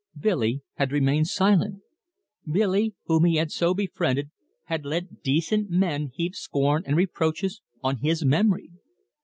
Billy had remained silent Billy, whom he had so befriended, had let decent men heap scorn and reproaches on his memory.